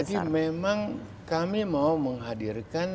jadi memang kami mau menghadirkan